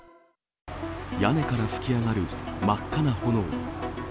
屋根から噴き上がる真っ赤な炎。